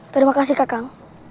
terima kasih kakak